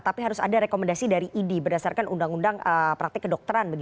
tapi harus ada rekomendasi dari idi berdasarkan undang undang praktek kedokteran